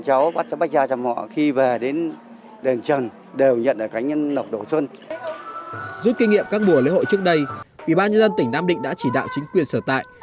giúp kinh nghiệm các mùa lễ hội trước đây ủy ban nhân dân tỉnh nam định đã chỉ đạo chính quyền sở tại